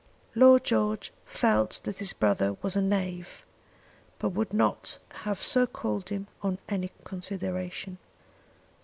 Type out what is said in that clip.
Lord George felt that his brother was a knave, but would not have so called him on any consideration.